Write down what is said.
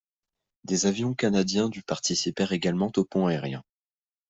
Des avions canadiens du participèrent également au pont aérien.